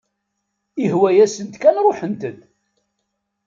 Ihwa-yasent kan ruḥent-d.